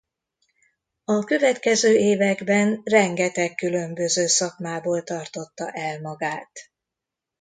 A következő években rengeteg különböző szakmából tartotta el magát.